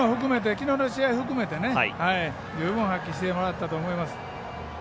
きのうの試合を含めて十分発揮してもらったと思います。